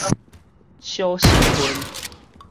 小身份